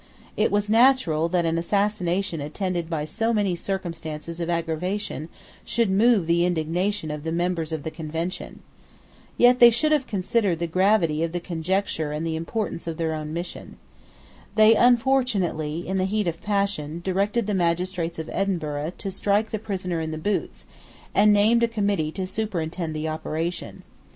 It was natural that an assassination attended by so many circumstances of aggravation should move the indignation of the members of the Convention. Yet they should have considered the gravity of the conjuncture and the importance of their own mission. They unfortunately, in the heat of passion, directed the magistrates of Edinburgh to strike the prisoner in the boots, and named a Committee to superintend the operation.